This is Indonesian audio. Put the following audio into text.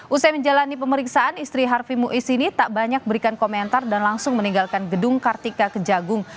usai menjalani pemeriksaan istri harfi ⁇ muiz ini tak banyak berikan komentar dan langsung meninggalkan gedung kartika kejagung